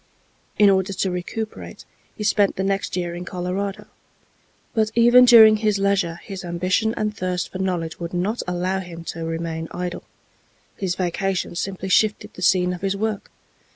In order to recuperate, he spent the next year in Colorado. But even during his leisure his ambition and thirst for knowledge would not allow him to remain idle. His vacation simply shifted the scene of his work.